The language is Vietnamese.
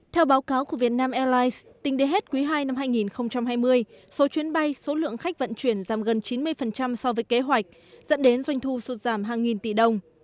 theo báo cáo của vietnam airlines tính đến hết quý ii năm hai nghìn hai mươi số chuyến bay số lượng khách vận chuyển giảm gần chín mươi so với kế hoạch dẫn đến doanh thu sụt giảm hàng nghìn tỷ đồng